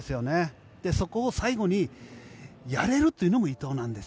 そこを最後にやれるというのも伊藤なんです。